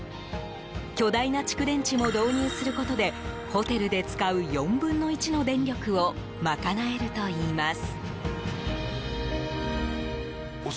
巨大な蓄電池も導入することでホテルで使う４分の１の電力を賄えるといいます。